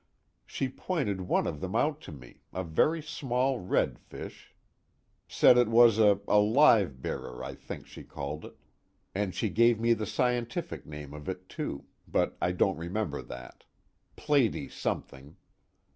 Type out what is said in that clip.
She pointed one of them out to me, a very small red fish, said it was a a live bearer I think she called it, and she gave me the scientific name of it too, but I don't remember that platy something.